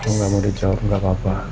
aku gak mau dicawur gak apa apa